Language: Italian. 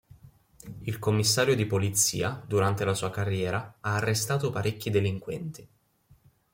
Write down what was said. Il commissario di polizia, durante la sua carriera, ha arrestato parecchi delinquenti.